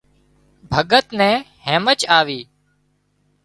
ڀڳت نين هيمچ آوي